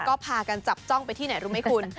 ก็พากันจับจ้องไปที่ไหนรู้ไหมคุณ